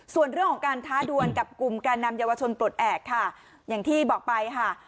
ส่วนเรื่องของการท้าดวนกับกลุ่มแก่นำเยาวชนปลดแอบค่ะอย่างที่บอกไปค่ะ